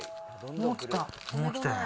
もう来た。